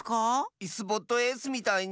イスボットエースみたいに？